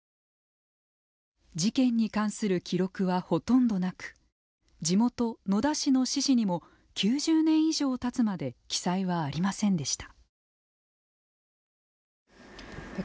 事件に関する記録はほとんどなく地元・野田市の市史にも９０年以上たつまで記載はありませんでした。